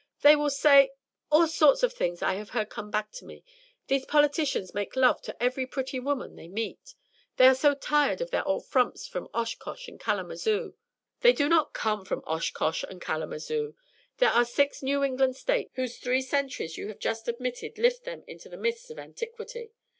They will say all sorts of things I have heard come back to me these politicians make love to every pretty woman they meet. They are so tired of their old frumps from Oshkosh and Kalamazoo." "They do not all come from Oshkosh and Kalamazoo. There are six New England States whose three centuries you have just admitted lift them into the mists of antiquity.